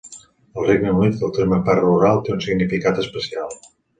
Al Regne Unit, el terme "parc rural" té un significat especial.